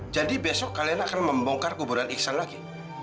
jadi besok kalian akan membongkar kuburan iksan lagi